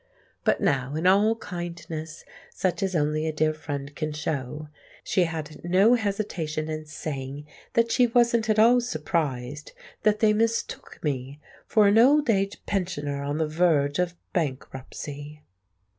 But now, in all kindness such as only a dear friend can show, she had no hesitation in saying that she wasn't at all surprised that they mistook me for an old age pensioner on the verge of bankruptcy.